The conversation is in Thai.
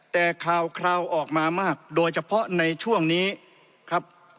แต่ข่าวคราวออกมามากโดยเฉพาะในช่วงนี้ครับ